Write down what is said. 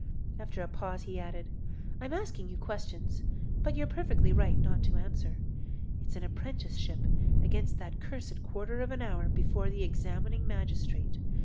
After a pause he added: "I'm asking you questions, but you're perfectly right not to answer. It's an apprenticeship against that cursed quarter of an hour before the examining magistrate.